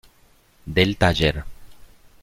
Del Taller.